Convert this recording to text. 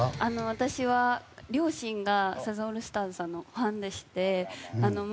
私は、両親がサザンオールスターズさんのファンでして。